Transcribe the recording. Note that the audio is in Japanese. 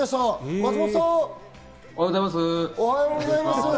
松本さん、おはようございます。